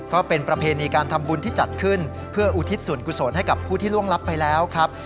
ก็เป็นประเพณีการทำบุญที่จัดขึ้นเพื่ออุทิศส่วนกุศลให้กับผู้ที่ล่วงลับไปแล้วครับ